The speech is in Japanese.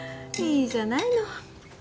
いいじゃないの